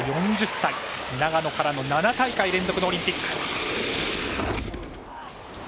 ４０歳、長野からの７大会連続オリンピック。